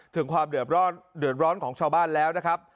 ถึงความเดือดร้อนของชาวบ้านแล้วนะครับ